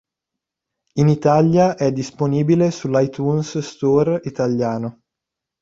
In Italia, è disponibile sull'iTunes Store italiano.